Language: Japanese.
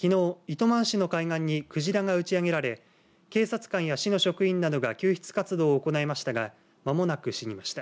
糸満市の海岸にクジラが打ち上げられ警察官や市の職員などが救出活動を行いましたが間もなく死にました。